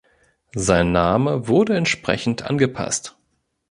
Sein Name wurde entsprechend angepasst.